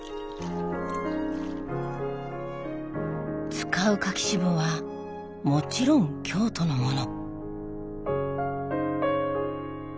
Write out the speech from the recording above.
使う柿渋はもちろん京都のもの。